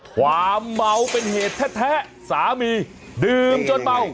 ความเมาเป็นเหตุแท้สามีดื่มจนเมา